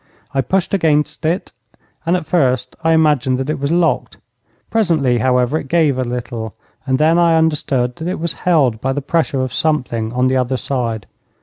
I pushed against it, and at first I imagined that it was locked. Presently, however, it gave a little, and then I understood that it was held by the pressure of something on the other side.